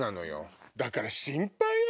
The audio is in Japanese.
だから心配よ！